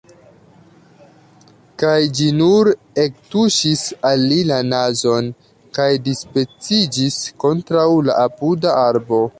Kaj ĝi nur ektuŝis al li la nazon, kaj dispeciĝis kontraŭ la apuda arbo.